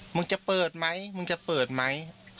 มึงจะเปิดไหมมึงจะเปิดไหม